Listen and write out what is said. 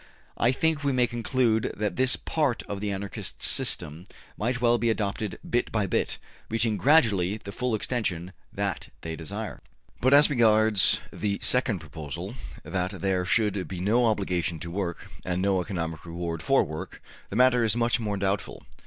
I think we may conclude that this part of the Anarchists' system might well be adopted bit by bit, reaching gradually the full extension that they desire. But as regards the second proposal, that there should be no obligation to work, and no economic reward for work, the matter is much more doubtful.